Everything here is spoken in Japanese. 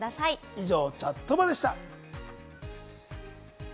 以上、「チャットバ」でした。